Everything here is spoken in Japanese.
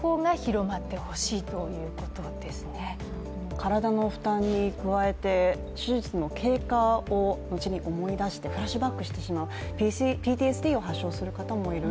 体の負担に加えて手術の経過を後に思い出してフラッシュバックしてしまうＰＴＳＤを発症する方もいる。